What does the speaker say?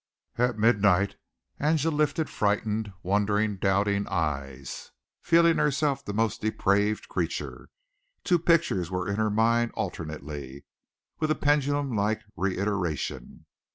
At midnight Angela lifted frightened, wondering, doubting eyes, feeling herself the most depraved creature. Two pictures were in her mind alternately and with pendulum like reiteration.